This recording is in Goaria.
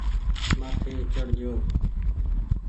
مآٿي چڙ جو۔